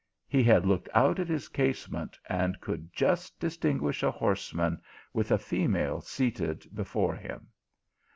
He had looked out at his casement, and could just distinguish a horse man, with a female seated before him.